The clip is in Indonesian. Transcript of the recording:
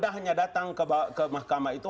tidak hanya datang ke mahkamah itu